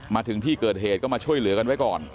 มาถึงที่เกิดเหตุก็มาช่วยเหลือกันไว้ก่อน